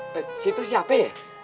eh eh si itu siapa ya